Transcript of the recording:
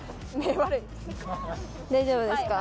大丈夫ですか？